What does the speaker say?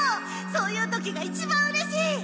そういう時が一番うれしい！